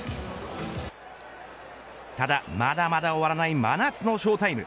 ただ、まだまだ終わらない真夏のショータイム。